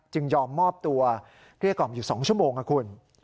ยอมมอบตัวเกลี้ยกล่อมอยู่๒ชั่วโมงนะคุณ